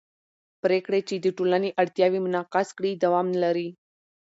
پرېکړې چې د ټولنې اړتیاوې منعکس کړي دوام لري